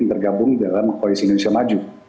yang tergabung dalam koalisi indonesia maju